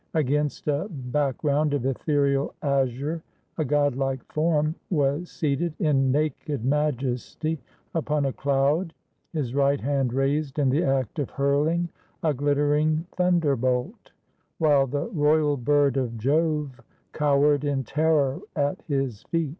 Against a background of ethereal azure, a godlike form was seated in naked majesty upon a cloud, his right hand raised in the act of hurling a glittering thunderbolt, while the royal bird of Jove cowered in terror at his feet.